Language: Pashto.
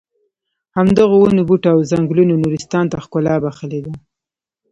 همدغو ونو بوټو او ځنګلونو نورستان ته ښکلا بښلې ده.